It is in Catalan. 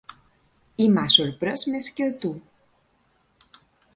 I m'ha sorprès més que a tu.